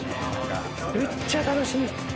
めっちゃ楽しみ！